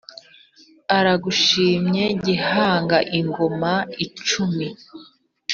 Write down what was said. aragushimye gihanga ingoma icumu